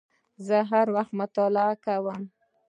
زه هر وخت مطالعه کوم